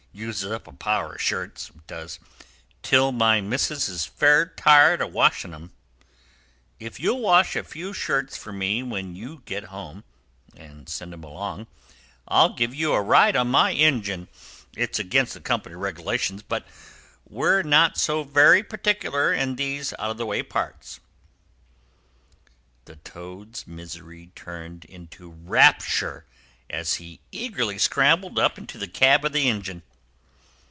Uses up a power of shirts, it does, till my missus is fair tired of washing of 'em. If you'll wash a few shirts for me when you get home, and send 'em along, I'll give you a ride on my engine. It's against the Company's regulations, but we're not so very particular in these out of the way parts." The Toad's misery turned into rapture as he eagerly scrambled up into the cab of the engine.